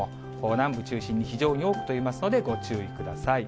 南部中心に非常に多く飛びますので、ご注意ください。